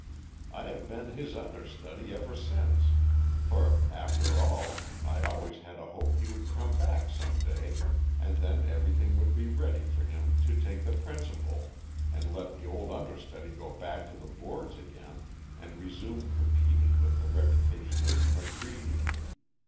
I have been his understudy ever since, for, after all, I always had a hope he would come back some day, and then everything would be ready for him to take the principal, and let the old understudy go back to the boards again and resume competing with the reputation of Macready.